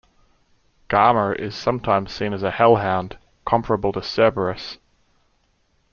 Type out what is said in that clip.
Garmr is sometimes seen as a hellhound, comparable to Cerberus.